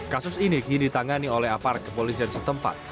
kasus ini kini ditangani oleh aparat kepolisian setempat